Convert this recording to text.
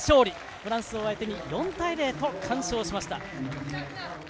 フランスを相手に４対０と完勝しました。